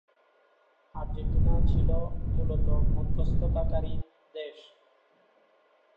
Argentina ছিল মূল মধ্যস্থতাকারী দেশ।